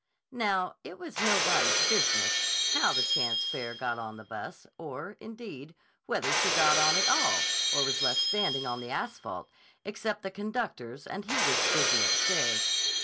Now, it was nobody's business how the chance fare got on the bus, or, indeed, whether she got on at all or was left standing on the asphalt, except the conductor's and he was busy upstairs.